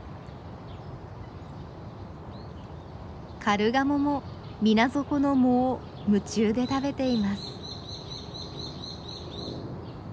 カルガモも水底の藻を夢中で食べています。